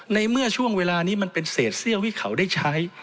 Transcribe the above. ในเมื่อช่วงเวลานี้มันเป็นเศษเซี่ยวที่เขาได้ใช้